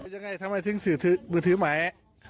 ยังไงทำไมถึงสืบถือมือถือใหม่